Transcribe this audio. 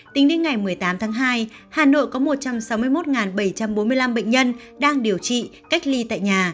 tính đến ngày một mươi tám tháng hai hà nội có một trăm sáu mươi một bảy trăm bốn mươi năm bệnh nhân đang điều trị cách ly tại nhà